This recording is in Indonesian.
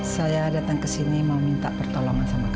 saya datang ke sini mau minta pertolongan sama